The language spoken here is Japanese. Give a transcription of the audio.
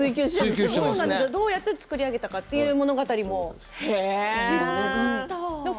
どうやって作り上げたかという物語があるんです。